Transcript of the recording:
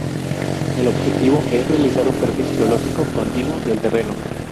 El objetivo es realizar un perfil geológico continuo del terreno.